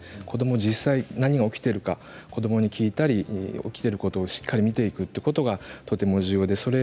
子どもは実際、何が起きているか子どもに聞いたり実際に起きていることをしっかり見ていくことが重要です。